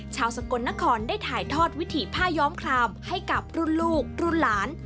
ชาวสะกนนครได้ถ่ายธอดวิธีผ้าย้อมครามให้กับลูกลูกหลาน